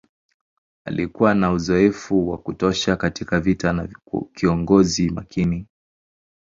Alikuwa na uzoefu wa kutosha katika vita na kiongozi makini.